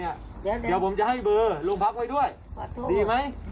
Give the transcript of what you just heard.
เดี๋ยวผมจะให้เบอร์โรงพักไว้ด้วยดีไหม